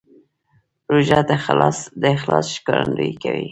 روژه د اخلاص ښکارندویي کوي.